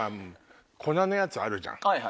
粉のやつあるじゃん